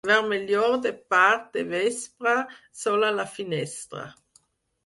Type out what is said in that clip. Vermellor de part de vespre, sol a la finestra.